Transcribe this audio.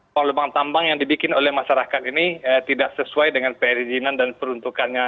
kalau lubang tambang yang dibikin oleh masyarakat ini tidak sesuai dengan perizinan dan peruntukannya